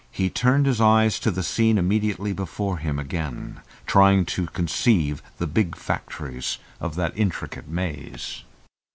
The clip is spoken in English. He turned his eyes to the scene immediately before him again, trying to conceive the big factories of that intricate maze....